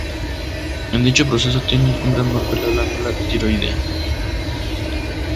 En dicho proceso tiene un gran papel la glándula tiroidea.